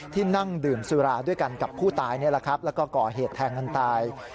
ที่นั่งดื่มสุราด้วยกันกับผู้ตายนี้แล้วก็ก่อเหตุแทงกันตาย